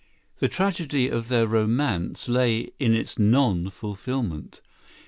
] The tragedy of their romance lay in its non fulfilment.